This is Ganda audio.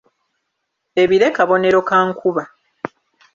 Ebire kabonero ka nkuba.